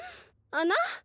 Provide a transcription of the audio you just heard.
あな？